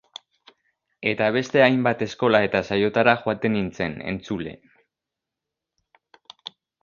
Eta beste hainbat eskola eta saiotara joaten nintzen, entzule.